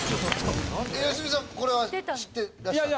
良純さんこれは知ってらした？